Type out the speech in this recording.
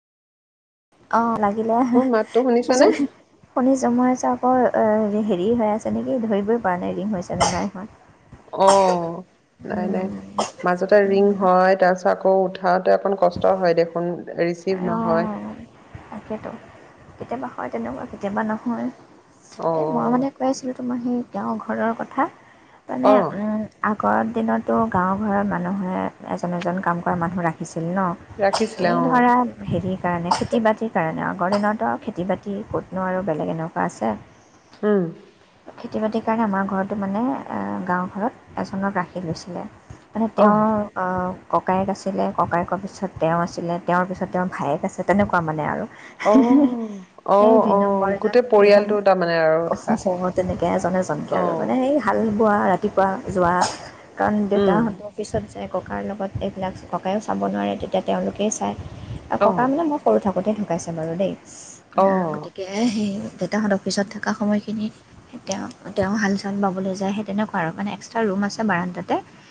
অ মোৰ মাতটো লাগিলেয শুনিছানে? শুনিছো মই ৰ হেৰি হৈ আছে নেকি ধৰিবই পৰা নাই ৰিং হৈছে নে নাই? অ নাই নাই মাজতে ৰিং হয় তাৰপিছ কৌ উঠাওঁতে অকণ কষ্ট হয় দেখোন ৰিচিভ নহয়। অ', তাকেতো কেতিয়াবা হয় তেনেকুৱা কেতিয়াবা নহয়। এ মই অ', মানে কাইছিলো তোমাৰাহেই তেওঁৰ ঘৰৰ কথা।। মানে অ', অ', উম ঘৰত দিনতো গাঁও ঘৰত মানুহে এজন এজন কাম কৰা মানুহ ৰাখিছে। আছিল ন ৰাখিছিলে এই অ', ধৰা হেৰি কাৰে খেতি বাজতি সেইকাৰণে আগৰ দিনতো আৰু খেতি বাতি ক'তনো আৰু বেলেগ এনেকুৱা আছে? উম। খেতি বাতিৰ কাৰণে আমাৰ ঘৰতো মানে গাঁও ঘৰত এজনক ৰাখি লৈছিলে মানে অ', তেওঁ ককায়েক আছিলে ককায়েকৰ পিছত তেওঁ আছিলে তেওঁৰ পিছত তেওঁৰ ভায়েক আছে তেনেকুৱা মানে আৰু আহ আহ সেই দুই আহ নম্বৰজন গোটেই পৰিয়ালটো তাৰমানে আৰু ধৰা তেনেকে এজন এজনকে আৰু অ', মানে সেই ভাল ৰাতিপুৱা ৰাতিপুৱা যোৱা কান দে উম, কি চ যে ককাৰ লগত এইবিলাক ককায়ো চাব নোৱাৰে তেতিয়া তেওঁলোকেই চায়। আৰু ককা অ', মানে মই সৰু থাকো হৰোতে ডেকাইচে বাৰু দেই অ গতিকে সেই দেউতাহঁত অফিচত থকা সময়খিনিত তেওঁ তেওঁ হাল চাল বাবলৈ যায় সেই তেনেকুৱা আৰু মানে এক্সট্ৰা ৰুম আছে বাৰণ্টাাতে